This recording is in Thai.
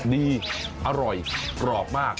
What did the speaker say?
อร่อยกรอบมาก